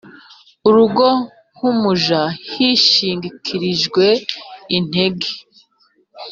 urugo nk umuja hishingikirijwe intege